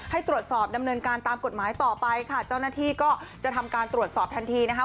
ให้ตรวจสอบดำเนินการตามกฎหมายต่อไปค่ะเจ้าหน้าที่ก็จะทำการตรวจสอบทันทีนะคะ